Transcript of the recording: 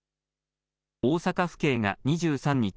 大阪府警が２３日